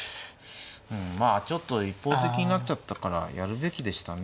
うんまあちょっと一方的になっちゃったからやるべきでしたね。